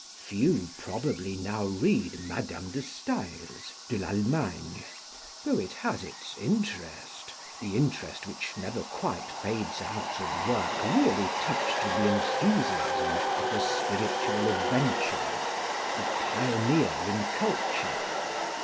Few, probably, now read Madame de Staël's De l'Allemagne, though it has its interest, the interest which never quite fades out of work really touched with the enthusiasm of the spiritual adventurer, the pioneer in culture.